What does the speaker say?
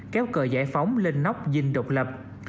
kéo cờ giải phóng lên nóc dinh độc lập